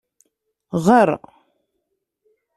Ɣer!